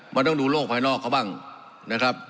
มันต้องดูโลกภายนอกเขาบ้างนะครับ